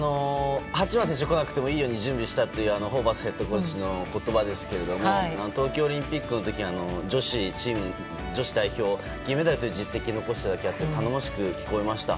八村選手来なくてもいいように準備したというホーバスヘッドコーチの言葉ですが東京オリンピックの時に女子チームの代表で銀メダルという実績を残しただけあって頼もしく聞こえました。